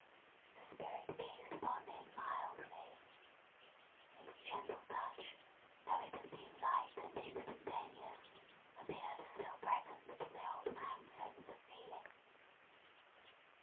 The Spirit gazed upon him mildly. Its gentle touch, though it had been light and instantaneous, appeared still present to the old man's sense of feeling.